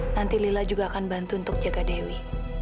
nanti lila juga akan bantu untuk jaga dewi